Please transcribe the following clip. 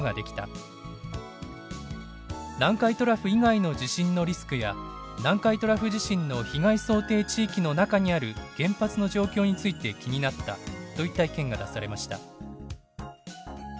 「南海トラフ以外の地震のリスクや南海トラフ地震の被害想定地域の中にある原発の状況について気になった」といった意見が出されました。